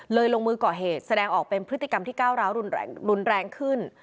ลงมือก่อเหตุแสดงออกเป็นพฤติกรรมที่ก้าวร้าวรุนแรงขึ้น